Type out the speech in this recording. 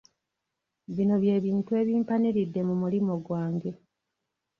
Bino bye bintu ebimpaniridde mu mulimo gwange.